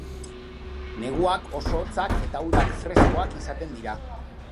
Neguak oso hotzak eta udak freskoak izaten dira.